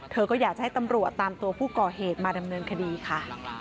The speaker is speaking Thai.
เธอก็อยากจะให้ตำรวจตามตัวผู้ก่อเหตุมาดำเนินคดีค่ะ